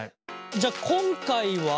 じゃあ今回は？